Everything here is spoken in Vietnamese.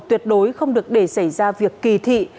tuyệt đối không được để xảy ra việc kỳ thị